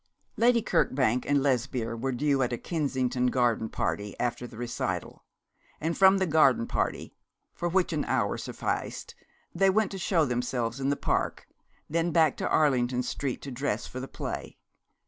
Lady Kirkbank and Lesbia were due at a Kensington garden party after the recital, and from the garden party, for which any hour sufficed, they went to show themselves in the Park, then back to Arlington Street to dress for the play.